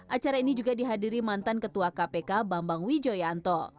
acara ini juga dihadiri mantan ketua kpk bambang wijoyanto